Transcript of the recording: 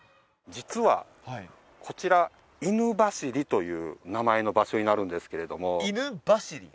実はこちら「犬走り」という名前の場所になるんですけれども犬走り？